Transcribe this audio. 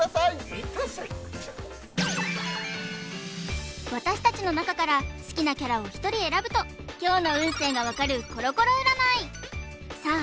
・いってらっしゃい私達の中から好きなキャラを１人選ぶと今日の運勢がわかるコロコロ占いさあ